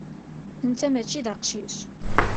Netta mačči d aqcic.